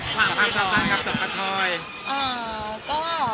ภาพสาวฟังกับจับกระทอย